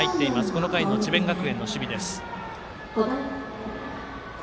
この回の智弁学園の守備です。